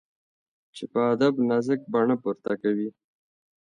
چي په ادب نازک باڼه پورته کوي